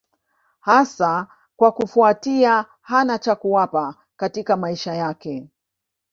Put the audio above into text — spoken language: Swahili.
Hasa kwa kufuatia hana cha kuwapa katika maisha yake.